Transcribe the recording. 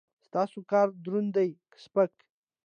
ستاسو کار دروند دی که سپک؟